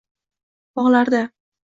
bog‘larda